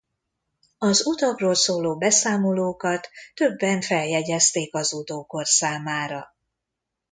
Az utakról szóló beszámolókat többen feljegyezték az utókor számára.